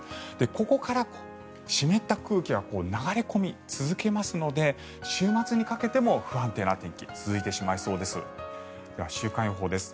ここから湿った空気が流れ込み続けますので週末にかけても不安定な天気が続いてしまいそうです。